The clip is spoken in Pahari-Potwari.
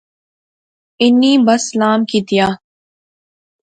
انی بس سلام کیتیا